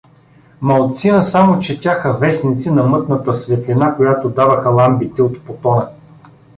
Малцина само четяха вестници на мътната светлина, която даваха ламбите от потона.